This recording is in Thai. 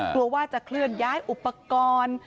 กลัวว่าจะเคลื่อนย้ายอุปกรณ์